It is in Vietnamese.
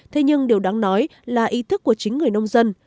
thế nhưng điều đáng nói là ý thức của chính người nông dân